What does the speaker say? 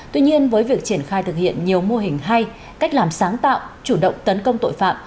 tuy nhiên với việc triển khai thực hiện nhiều mô hình hay cách làm sáng tạo chủ động tấn công tội phạm